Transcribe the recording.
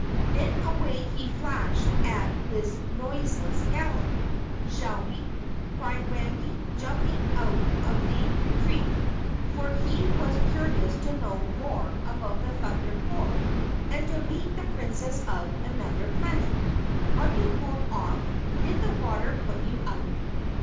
Then away he flashed at his noiseless gallop. "Shall we?" cried Randy, jumping out of the creek, for he was curious to know more about the Thunder Colt and to meet the Princess of Anuther Planet. "Are you cooled off? Did the water put you out?"